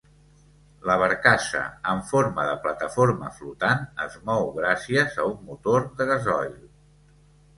La barcassa, en forma de plataforma flotant, es mou gràcies a un motor de gasoil.